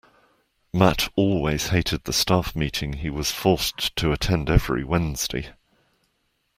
Matt always hated the staff meeting he was forced to attend every Wednesday